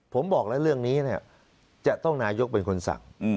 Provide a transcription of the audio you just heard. ผมบอกแล้วเรื่องนี้จะต้องนายกเป็นคนสั่ง